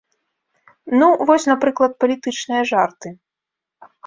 Ну, вось напрыклад палітычныя жарты.